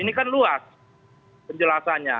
ini kan luas penjelasannya